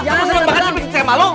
eh kamu sering banget ambil cemal lo